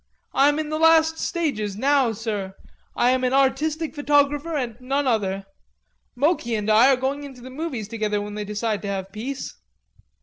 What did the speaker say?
I'm in the last stages now, sir.... I am an artistic photographer and none other.... Moki and I are going into the movies together when they decide to have peace."